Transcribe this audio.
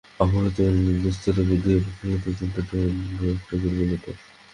অপেক্ষাকৃত অনুন্নত স্তরে বুদ্ধি অপেক্ষা এই যন্ত্রটি অনেকটা দুর্বলতর।